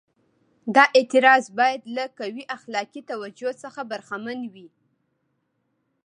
دا اعتراض باید له قوي اخلاقي توجیه څخه برخمن وي.